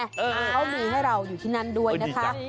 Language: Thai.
เขามีให้เราอยู่ที่นั่นด้วยนะคะ